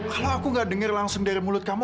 kalau aku gak dengar langsung dari mulut kamu